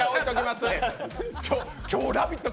今日、「ラヴィット！」